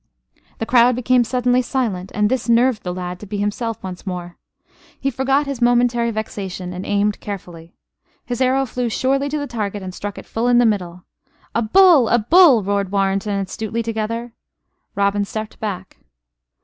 The crowd became suddenly silent, and this nerved the lad to be himself once more. He forgot his momentary vexation and aimed carefully. His arrow flew surely to the target and struck it full in the middle. "A bull! A bull!" roared Warrenton and Stuteley, together. Robin stepped back.